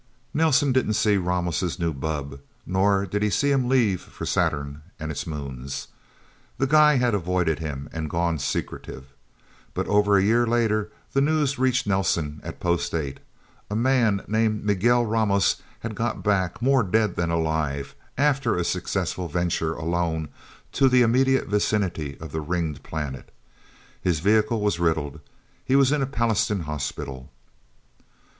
Nelsen didn't see Ramos' new bubb, nor did he see him leave for Saturn and its moons. The guy had avoided him, and gone secretive. But over a year later, the news reached Nelsen at Post Eight. A man named Miguel Ramos had got back, more dead than alive, after a successful venture, alone, to the immediate vicinity of the Ringed Planet. His vehicle was riddled. He was in a Pallastown hospital.